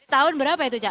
tahun berapa itu cak